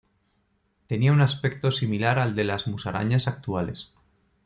Tenían un aspecto similar al de las musarañas actuales.